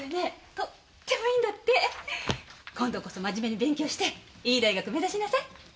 今度こそまじめに勉強していい大学目指しなさい。